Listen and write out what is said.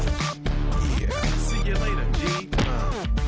tidak dia sudah kembali